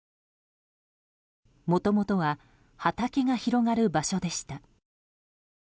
もともとは畑が広がる場所でした。